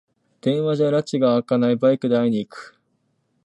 電話じゃらちがあかない、バイクで会いに行く